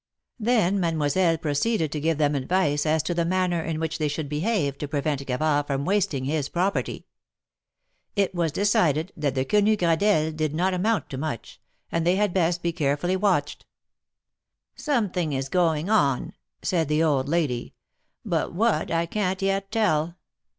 Then Mademoiselle pro ceeded to give them advice as to the manner in which they should behave to prevent Gavard from wasting his prop erty. It was decided that the Quenu Gradelles did not amount to much, and that they had best be carefully watched. " Something is going on," said the old lady, " but what I can't yet tell.